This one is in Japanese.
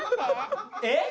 えっ？